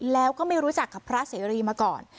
แล้วก็ไม่รู้จักกับพระเสรีมาก่อน